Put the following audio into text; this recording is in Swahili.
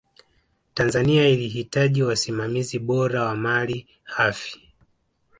tanzania ilihitaji wasimamizi bora wa mali ghafi